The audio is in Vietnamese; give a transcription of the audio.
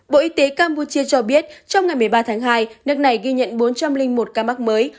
bộ y tế campuchia cho biết trong ngày một mươi ba tháng hai nước này ghi nhận bốn trăm linh một ca mắc mới